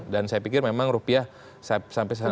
dan saya pikir memang rupiah sampai sekarang